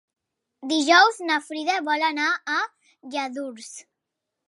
Dijous na Frida vol anar a Lladurs.